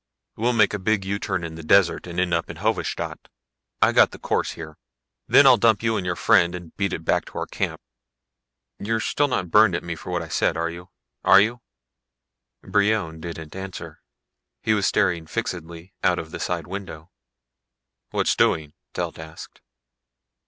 "We'll make a big U in the desert and end up in Hovedstad. I got the course here. Then I'll dump you and your friends and beat it back to our camp. You're not still burned at me for what I said, are you? Are you?" Brion didn't answer. He was staring fixedly out of the side window. "What's doing?" Telt asked.